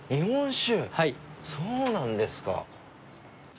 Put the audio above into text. そうなんですか。